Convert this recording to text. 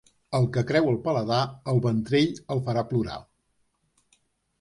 El que creu el paladar, el ventrell el farà plorar.